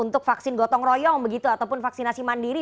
untuk vaksin gotong royong begitu ataupun vaksinasi mandiri